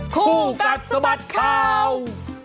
คู่กัดสะบัดข่าว